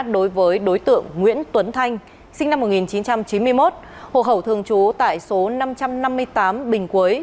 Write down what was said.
đối với đối tượng nguyễn tuấn thanh sinh năm một nghìn chín trăm chín mươi một hồ hậu thường trú tại số năm trăm năm mươi tám bình quế